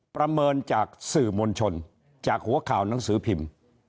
ประเมินจากสื่อมวลชนจากหัวข่าวหนังสือพิมพ์